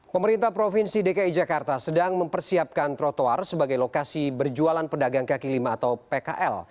pemerintah provinsi dki jakarta sedang mempersiapkan trotoar sebagai lokasi berjualan pedagang kaki lima atau pkl